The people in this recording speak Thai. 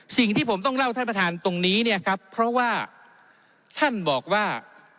สิ่งที่ผมต้องเล่าท่านประธานตรงนี้เนี่ยครับเพราะว่าท่านบอกว่า